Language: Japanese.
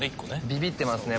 ビビってますね